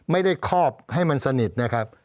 ไม่ได้คอบให้มันสนิทนะครับ